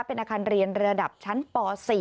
เป็นอาคารเรียนระดับชั้นป๔